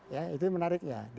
ya itu menariknya